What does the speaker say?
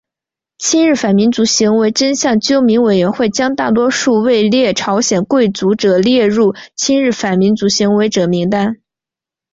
亲日反民族行为真相纠明委员会将大多数位列朝鲜贵族者列入亲日反民族行为者名单。